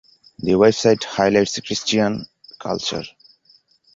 The website highlights Christian culture.